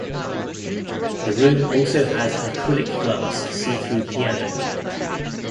The room also has an acrylic glass see-through piano.